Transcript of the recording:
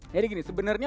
jadi gini sebenernya